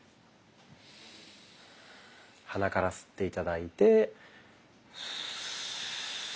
鼻から吸って頂いて。